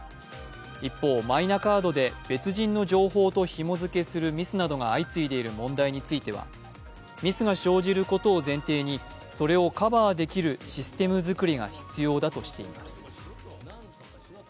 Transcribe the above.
一方、マイナカードで別人の情報とひも付けするミスなどが相次いでいる問題については、ミスが生じることを前提にそれをカバーできるシステム作りが必要だとしています。